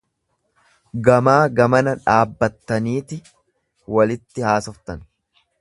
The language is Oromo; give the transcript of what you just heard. Gamaa gamana dhaabbattaniiti walitti haasoftan.